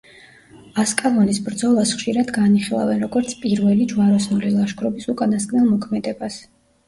ასკალონის ბრძოლას ხშირად განიხილავენ, როგორც პირველი ჯვაროსნული ლაშქრობის უკანასკნელ მოქმედებას.